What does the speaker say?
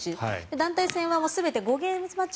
団体戦は全て５ゲームスマッチ